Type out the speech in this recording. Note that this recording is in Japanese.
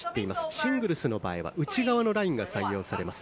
シングルスの場合は内側のラインが採用されます。